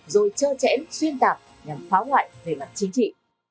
rồi chơ chẽn xuyên tạc nhằm phá hoại về mặt chính trị